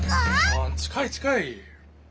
ああっ近い近い！